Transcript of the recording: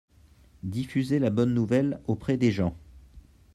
Diffuser la bonne nouvelle auprès des gens.